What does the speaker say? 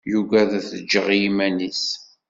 Yugad ad t-ǧǧeɣ iman-is.